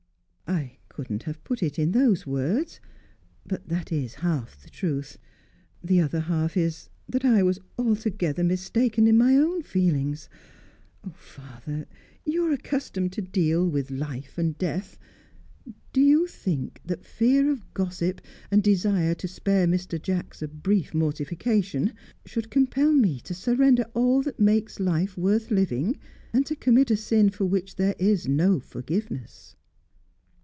"I couldn't have put it in those words, but that is half the truth. The other half is, that I was altogether mistaken in my own feelings Father, you are accustomed to deal with life and death. Do you think that fear of gossip, and desire to spare Mr. Jacks a brief mortification, should compel me to surrender all that makes life worth living, and to commit a sin for which there is no forgiveness?"